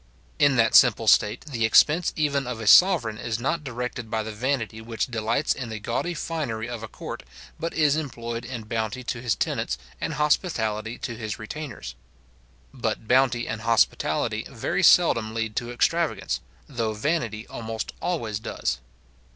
In that simple state, the expense even of a sovereign is not directed by the vanity which delights in the gaudy finery of a court, but is employed in bounty to his tenants, and hospitality to his retainers. But bounty and hospitality very seldom lead to extravagance; though vanity almost always does.